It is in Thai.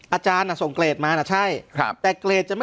อาจารย์ส่งมาเกรด